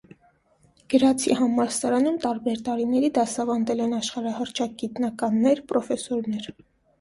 Գրացի համալսարանում տարբեր տարիների դասավանդել են աշխարհահռչակ գիտնականներ, պրոֆեսորներ։